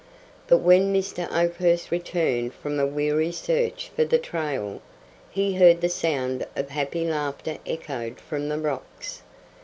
But when Mr. Oakhurst returned from a weary search for the trail, he heard the sound of happy laughter echoed from the rocks.